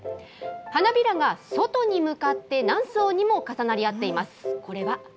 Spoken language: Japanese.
花びらが外に向かって何層にも重なり合っています。